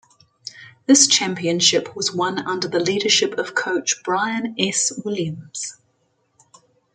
This championship was won under the leadership of Coach Brian S. Williams.